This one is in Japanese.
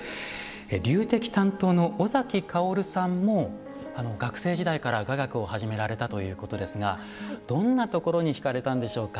龍笛担当の尾崎薫さんも学生時代から雅楽を始められたということですがどんなところに引かれたんでしょうか。